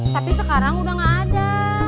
tapi sekarang udah gak ada